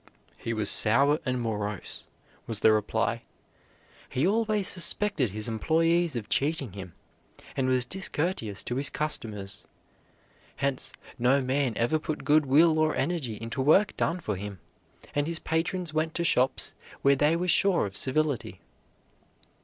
"He was sour and morose," was the reply; "he always suspected his employees of cheating him, and was discourteous to his customers. Hence, no man ever put good will or energy into work done for him, and his patrons went to shops where they were sure of civility."